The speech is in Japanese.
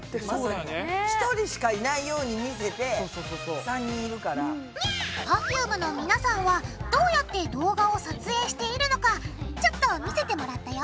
しかもなんかＰｅｒｆｕｍｅの皆さんはどうやって動画を撮影しているのかちょっと見せてもらったよ